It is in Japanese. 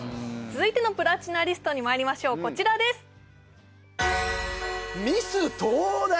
続いてのプラチナリストにまいりましょうこちらです「ミス東大」！？